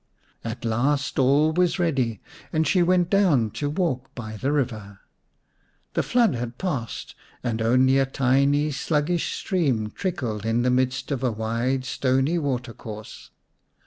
At last all was ready, and she went down to walk by the river. The flood had passed, and only a tiny sluggish stream trickled in the midst of a wide stony water course.